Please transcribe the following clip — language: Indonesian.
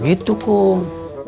jadinya gitu kum